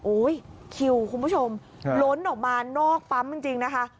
คิวคุณผู้ชมล้นออกมานอกปั๊มจริงนะคะ